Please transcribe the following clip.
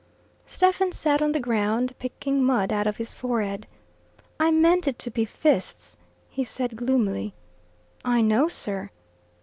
Stephen sat on the ground, picking mud out of his forehead. "I meant it to be fists," he said gloomily. "I know, sir."